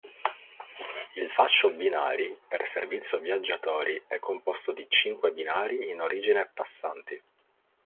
Il fascio binari per servizio viaggiatori è composto di cinque binari in origine passanti.